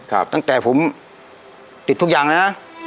ตั้งแต่ผมติดทุกอย่างเลยนะ